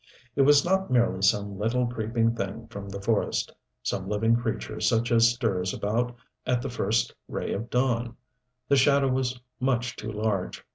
It was not merely some little creeping thing from the forest some living creature such as stirs about at the first ray of dawn. The shadow was much too large.